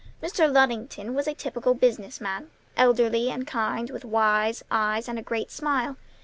Mr. Luddington was a typical business man, elderly and kind, with wise eyes and a great smile.